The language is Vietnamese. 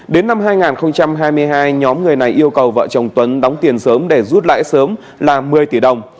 đến năm hai nghìn hai mươi hai nhóm người này yêu cầu vợ chồng tuấn đóng tiền sớm để rút lãi sớm là một mươi tỷ đồng